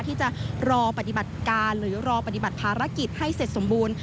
ที่จะรอปฏิบัติการหรือรอปฏิบัติภารกิจให้เสร็จสมบูรณ์